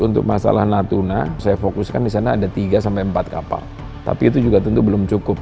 tapi itu juga tentu belum cukup